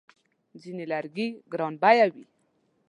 ځینې لرګي ګرانبیه وي.